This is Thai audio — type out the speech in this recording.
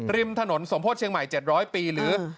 ริมถนนสมโพธิเชียงใหม่๗๐๐ปีหรือ